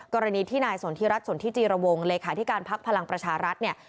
กรณีที่นายสนทิรัฐสนทิจิรวงเลขาธิการพักพลังประชารัฐเนี่ย